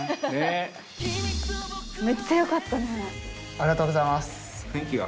ありがとうございます。